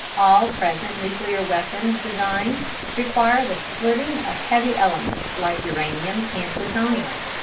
All present nuclear weapon designs require the splitting of heavy elements like uranium and plutonium.